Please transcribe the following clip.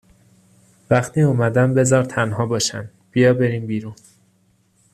وقتی اومدن بذار تنها باشن بیا بریم بیرون